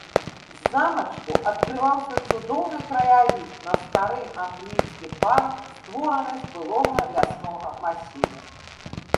З замачку адкрываўся цудоўны краявід на стары англійскі парк, створаны з былога ляснога масіву.